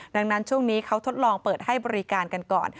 ดังนั้นช่วงนี้เขาทดลองเปิดให้บริการกันก่อน